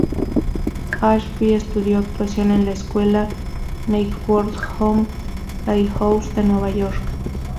Ashby estudió actuación en la escuela "Neighborhood Playhouse" de Nueva York.